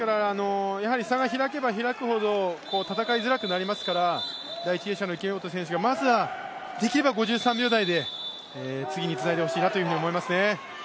差が開けば開くほど戦いづらくなりますから第１泳者の池本選手ができれば５３秒台で次につないでほしいなと思いますね。